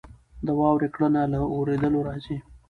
د واورې کړنه له اورېدلو راځي.